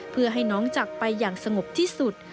เพื่อให้น้องจักรไปอย่างสงบที่สุด